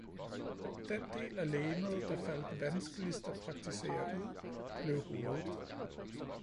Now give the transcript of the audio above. Den del af legemet, der faldt vanskeligst at praktisere ud, blev hovedet.